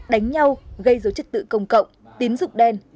đánh nhau gây dấu chất tự công cộng tín dụng đen